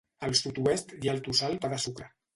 Al sud-oest hi ha el tossal Pa de Sucre.